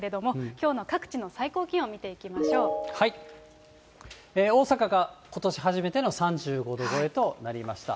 きょうの各地の最高気温見ていき大阪がことし初めての３５度超えとなりました。